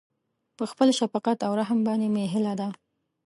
په خپل شفقت او رحم باندې مې هيله ده.